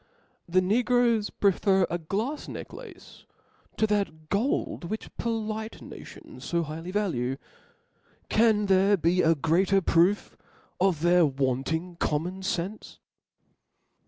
The Negroes prefer a glafs necklace to that gold which polite nations fo highly value : can there be a greater proof of their wanting common fenfe